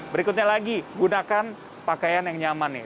berikutnya lagi gunakan pakaian yang nyaman nih